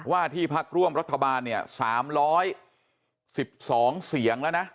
ว่าที่พักร่วมรัฐบาล๓๑๒เสียงแล้วนะ